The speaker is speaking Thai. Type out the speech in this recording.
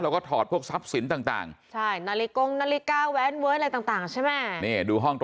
เราก็ถอดพวกทรัพย์สินต่าง